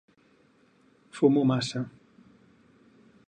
Fumo massa.